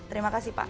terima kasih pak